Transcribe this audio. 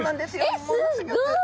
えっすっごい。